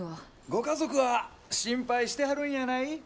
ご家族は心配してはるんやない？